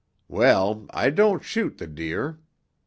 Well, I don't shoot the deer.